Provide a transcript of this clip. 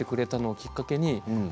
きっかけに僕